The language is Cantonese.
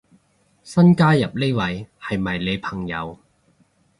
新加入呢位係咪你朋友